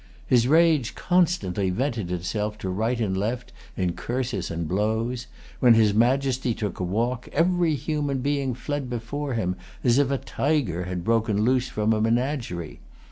His rage constantly vented itself to right and left in curses and blows. When his Majesty took a walk, every human being fled before him, as if a tiger had broken loose from a menagerie.